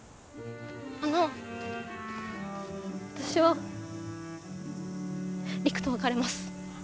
あの私は陸と別れます。